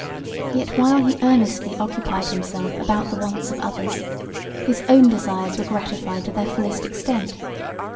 Yet while he earnestly occupied himself about the wants of others his own desires were gratified to their fullest extent.